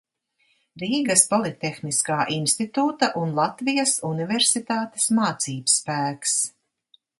Rīgas Politehniskā institūta un Latvijas Universitātes mācībspēks.